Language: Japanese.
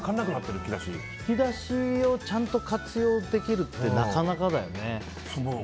引き出しをちゃんと活用できるってなかなかだよね。